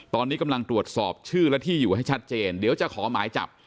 ตอนนี้กำลังตรวจสอบชื่อและที่อยู่ให้ชัดเจนเดี๋ยวจะขอหมายจับ